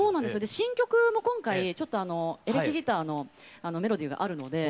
新曲も今回ちょっとあのエレキギターのメロディーがあるので。